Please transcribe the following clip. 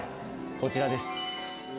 こちらです。